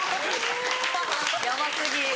ヤバ過ぎ。